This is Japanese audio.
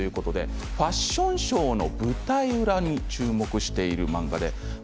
ファッションショーの舞台裏に注目している漫画です。